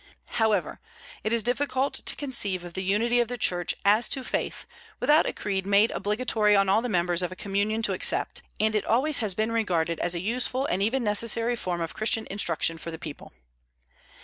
However, it is difficult to conceive of the unity of the Church as to faith, without a creed made obligatory on all the members of a communion to accept, and it always has been regarded as a useful and even necessary form of Christian instruction for the people.